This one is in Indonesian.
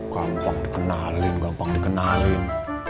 gampang dikenalin gampang dikenalin